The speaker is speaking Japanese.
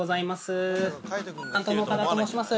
担当の岡田と申します。